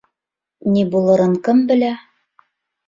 Ни булырын кем белә...